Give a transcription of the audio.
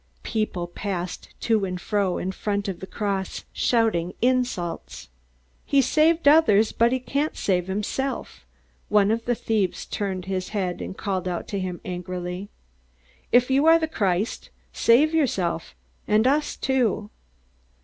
People passed to and fro in front of the cross, shouting insults. "He saved others, but he can't save himself." One of the thieves turned his head and called out to him angrily, "If you are the Christ, save yourself and us too!"